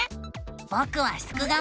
ぼくはすくがミ。